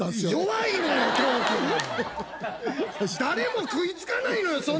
誰も食い付かないのよ